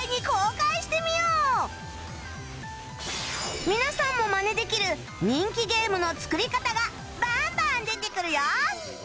でも皆さんもマネできる人気ゲームの作り方がバンバン出てくるよ